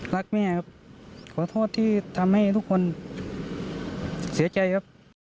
รักแม่ครับขอโทษที่ทำให้ทุกคนเสียใจครับ